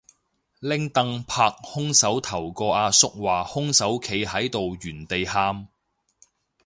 拎櫈拍兇手頭個阿叔話兇手企喺度原地喊